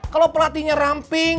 kalau pelatihnya ramping